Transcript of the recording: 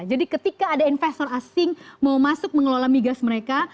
jadi ketika ada investor asing mau masuk mengelola migas mereka